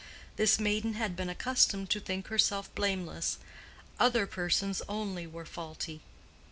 This maiden had been accustomed to think herself blameless; other persons only were faulty.